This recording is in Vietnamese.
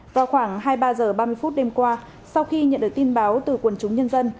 vào khoảng hai mươi ba h ba mươi phút đêm qua sau khi nhận được tin báo từ quần chúng nhân dân